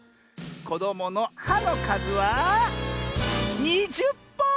こどもの「は」のかずは２０ぽん！